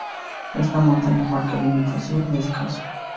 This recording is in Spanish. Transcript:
Esta montaña marca el límite sur de Escazú.